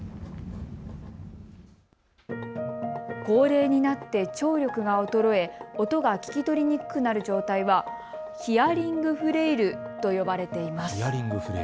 高齢になって聴力が衰え音が聞き取りにくくなる状態はヒアリングフレイルと呼ばれています。